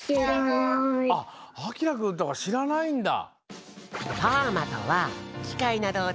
あきらくんとかしらないんだ。